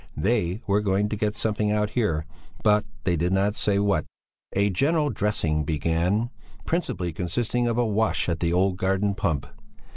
They were going to get something out here, but they did not say what. A general dressing began, principally consisting of a wash at the old garden pump.